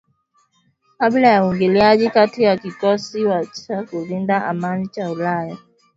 kabla ya uingiliaji kati wa kikosi cha kulinda amani cha ulaya